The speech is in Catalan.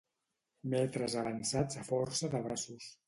Metres avançats a força de braços.